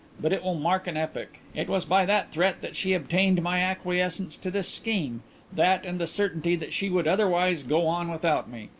But it will mark an epoch. It was by that threat that she obtained my acquiescence to this scheme that and the certainty that she would otherwise go on without me.